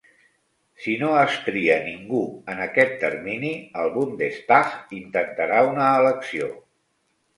Si no es tria ningú en aquest termini, el "Bundestag" intentarà una elecció.